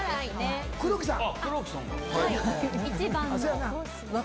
黒木さん。